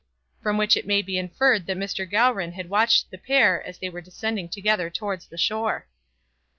From which it may be inferred that Mr. Gowran had watched the pair as they were descending together towards the shore.